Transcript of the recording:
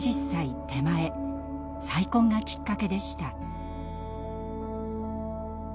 再婚がきっかけでした。